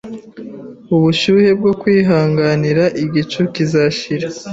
ubushyuhe bwo kwihanganira Igicu kizashira